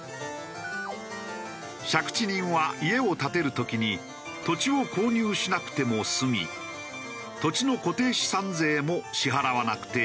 借地人は家を建てる時に土地を購入しなくても済み土地の固定資産税も支払わなくてよい。